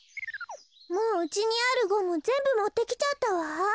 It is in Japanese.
もううちにあるゴムぜんぶもってきちゃったわ。